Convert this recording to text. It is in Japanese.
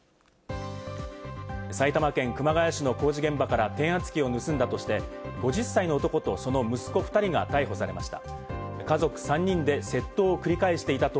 埼玉県熊谷市の工事現場から、転圧機を盗んだとして、５０歳の男とその息子２人が逮捕されました。